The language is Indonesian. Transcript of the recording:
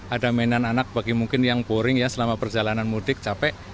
ada mainan anak bagi mungkin yang boring ya selama perjalanan mudik capek